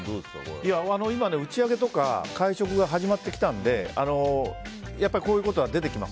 今、打ち上げとか会食が始まってきたのでこういうことは出てきます。